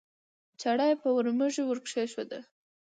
چړه یې په ورمېږ ورکېښوده